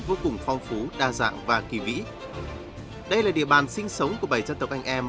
vô cùng phong phú đa dạng và kỳ vĩ đây là địa bàn sinh sống của bảy dân tộc anh em